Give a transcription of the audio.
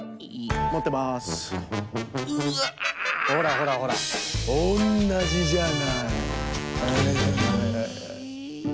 ほらほらほらおんなじじゃない？え？